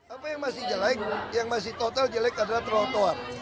apa yang masih jelek yang masih total jelek adalah trotoar